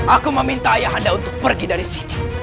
aku meminta ayah anda untuk pergi dari sini